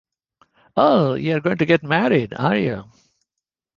Oh, you're going to get married, are you?